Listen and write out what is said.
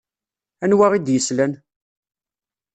Anwa i d-yeslan?